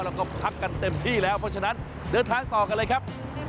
แล้วก็พักกันเต็มที่แล้วเพราะฉะนั้นเดินทางต่อกันเลยครับ